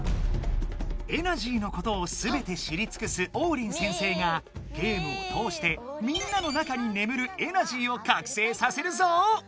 エナジーのことをすべて知りつくすオウリン先生がゲームをとおしてみんなの中にねむるエナジーをかくせいさせるぞ！